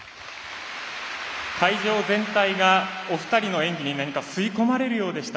会場全体がお二人の演技に吸い込まれるようでした。